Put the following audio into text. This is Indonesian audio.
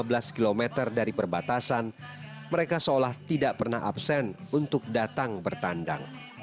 jauh lima belas kilometer dari perbatasan mereka seolah tidak pernah absen untuk datang bertandang